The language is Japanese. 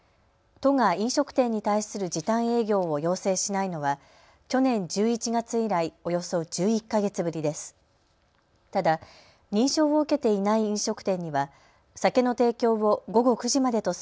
都が飲食店に対する時短営業を要請しないのは去年１１月以来、およそ１１か月ぶりです。